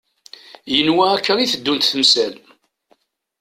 Yenwa akka i teddunt temsal.